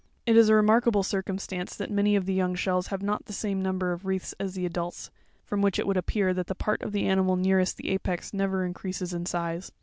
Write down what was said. It is a remarkable circumstance, that many of the young shells have not the same number of wreaths as the adults; from which it would appear, that the part of the animal nearest the apex never increases in size.